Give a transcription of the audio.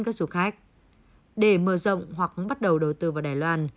các du khách để mở rộng hoặc bắt đầu đầu tư vào đài loan